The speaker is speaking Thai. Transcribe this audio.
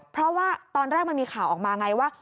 เพราะว่าตอนแรกมันมีข่าวออกมาไงว่า